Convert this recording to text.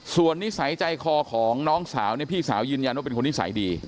ส่วนนิสัยใจคอของน้องสาวเนี่ยพี่สาวยืนยันว่าเป็นคนนิสัยดี